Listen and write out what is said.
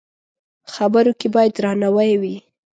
خبرو کې باید درناوی وي